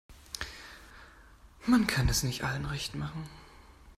Man kann es nicht allen recht machen.